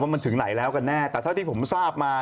มันถึงไหนแล้วกันแน่แต่เท่าที่ผมทราบมา